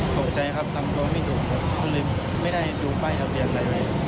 สงสัยครับตำรวจไม่ดูไม่ได้ดูป้ายอาเตียงอะไรเลย